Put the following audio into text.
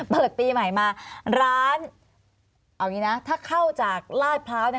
เปิดปีใหม่มาร้านเอาอย่างนี้นะถ้าเข้าจากลาดพร้าว